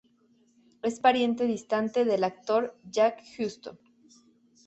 Es pariente distante del actor Jack Huston.